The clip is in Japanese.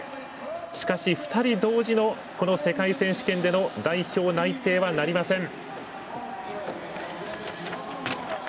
しかし、２人同時のこの世界選手権での代表内定はなりません。